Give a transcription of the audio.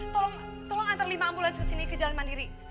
tolong tolong antar lima ambulans ke sini ke jalan mandiri